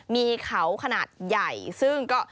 มีเขาขนาดใหญ่ซึ่งก็